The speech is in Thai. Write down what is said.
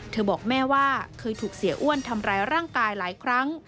บอกแม่ว่าเคยถูกเสียอ้วนทำร้ายร่างกายหลายครั้ง